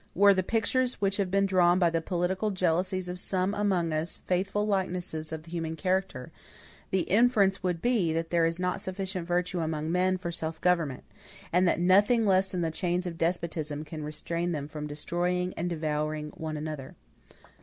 Were the pictures which have been drawn by the political jealousy of some among us faithful likenesses of the human character, the inference would be, that there is not sufficient virtue among men for self government; and that nothing less than the chains of despotism can restrain them from destroying and devouring one another.